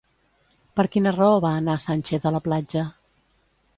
Per quina raó va anar Sànchez a la platja?